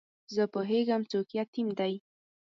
زه پوهېږم څوک یتیم دی.